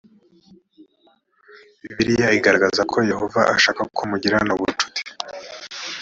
bibiliya igaragaza ko yehova ashaka ko mugirana ubucuti